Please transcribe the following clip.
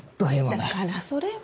だからそれは。